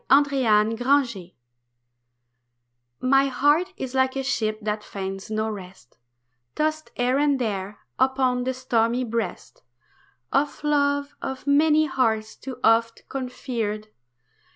NOT ANCHORED My heart is like a ship that finds no rest, Tossed here and there upon the stormy breast Of loves of many hearts too oft conferred.